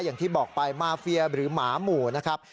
อย่างที่บอกไปมาเฟียหรือหมาหมู่นะครับ